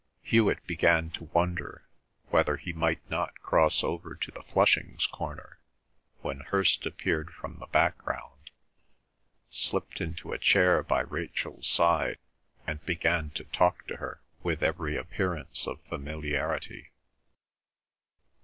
Hewet began to wonder whether he might not cross over to the Flushings' corner, when Hirst appeared from the background, slipped into a chair by Rachel's side, and began to talk to her with every appearance of familiarity.